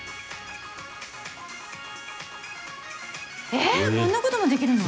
えっこんなこともできるの？